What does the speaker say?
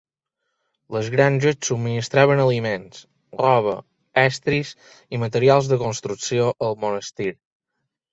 Les granges subministraven aliments, roba, estris i materials de construcció al monestir.